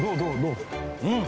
うん！